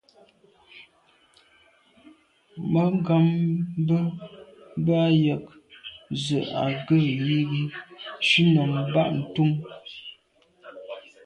Mangambe bə́ ɑ̂ yə̀k nzwe' ɑ́ gə́ yí gi shúnɔ̀m Batngub.